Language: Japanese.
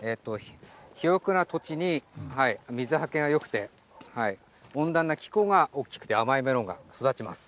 肥よくな土地に、水はけがよくて、温暖な気候が大きくて甘いメロンが育ちます。